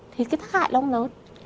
thì cái tác hại lông nó